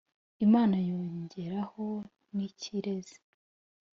Imana yongeraho n'ikirezi